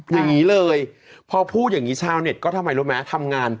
อย่างนี้เลยพอพูดอย่างนี้ชาวเน็ตก็ทำไมรู้ไหมทำงาน